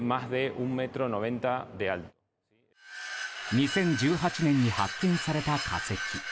２０１８年に発見された化石。